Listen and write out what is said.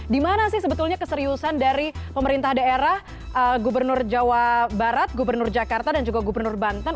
di mana sih sebetulnya keseriusan dari pemerintah daerah gubernur jawa barat gubernur jakarta dan juga gubernur banten